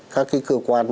các cái cơ quan